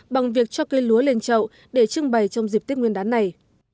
bằng việc cho cây lúa lên chậu để trưng bày trong dịp tết nguyên đán này